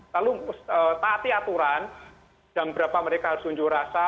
lalu taati aturan jam berapa mereka harus unjuk rasa